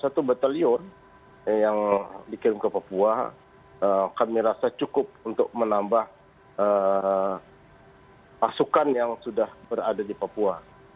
satu batalion yang dikirim ke papua kami rasa cukup untuk menambah pasukan yang sudah berada di papua